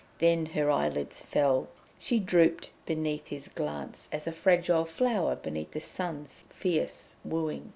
Then her eyelids fell; she drooped beneath his glance as a fragile flower beneath the sun's fierce wooing.